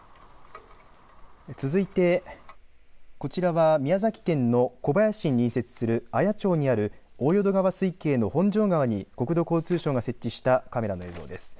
続いてこちらは宮崎県の小林市に隣接する綾町にある淀川水系の本庄川に国土交通省が設置したカメラの映像です。